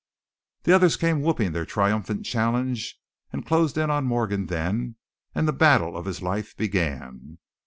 The others came whooping their triumphant challenge and closed in on Morgan then, and the battle of his life began.